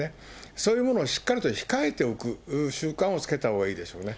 そういうものをしっかりと控えておく習慣をつけたほうがいいでしょうね。